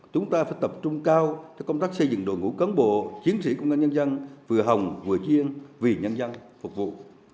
chúng ta phải tập trung cao cho công tác xây dựng đội ngũ cán bộ chiến sĩ công an nhân dân vừa hồng vừa chiên vì nhân dân phục vụ